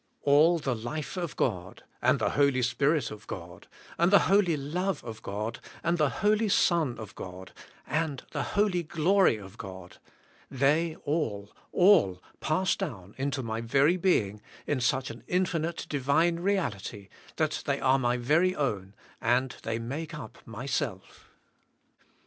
All the life of God, and the Holy Spirit of God, and the Holy love of God and Holy Son of God, and the Holy glory of God, they all, all pass down into my very being in such an infinite, divine reality, that they are my very own and they make up myself.